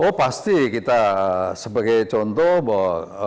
oh pasti kita sebagai contoh bahwa